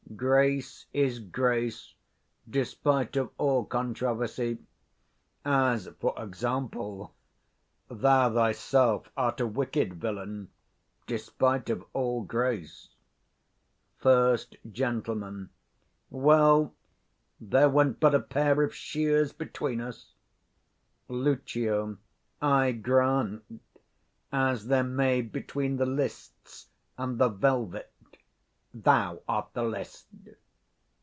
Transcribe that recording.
Grace is grace, despite of all controversy: as, for example, thou thyself art a wicked 25 villain, despite of all grace. First Gent. Well, there went but a pair of shears between us. Lucio. I grant; as there may between the lists and the velvet. Thou art the list.